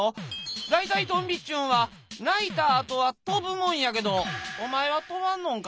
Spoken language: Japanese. だいたいトンビっちゅうんは鳴いたあとは飛ぶもんやけどおまえは飛ばんのんか？」。